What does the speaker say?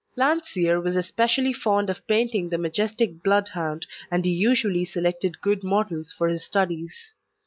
Landseer was especially fond of painting the majestic Bloodhound, and he usually selected good models for his studies.